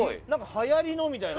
「はやりの」みたいな。